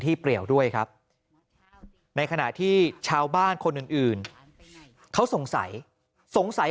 เปรียวด้วยครับในขณะที่ชาวบ้านคนอื่นเขาสงสัยสงสัย